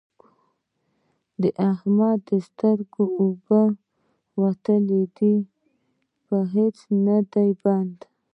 د احمد د سترګو اوبه وتلې دي؛ په هيڅ نه دی بند،